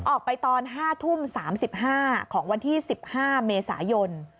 ออกไปตอน๕ทุ่ม๓๕ของวันที่๑๕เมษายน